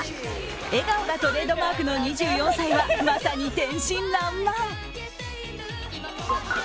笑顔がトレードマークの２４歳はまさに天真らんまん。